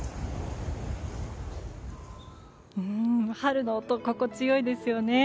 春の音、心地よいですよね。